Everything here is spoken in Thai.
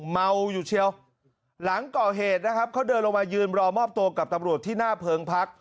เมาอยู่เชียวหลังก่อเหตุนะครับเขาเดินลงมายืนรอมอบตัวกับตำรวจที่หน้าเพิงพัก